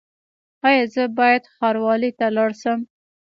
ایا زه باید ښاروالۍ ته لاړ شم؟